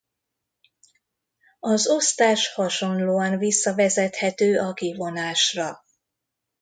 Az osztás hasonlóan visszavezethető a kivonásra.